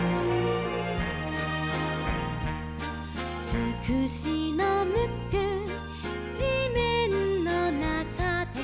「つくしのムックじめんのなかで」